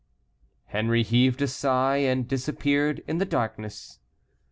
Henry heaved a sigh, and disappeared in the darkness.